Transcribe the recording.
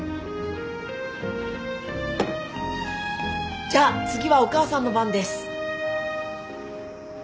じゃあ次はお母さんの番です。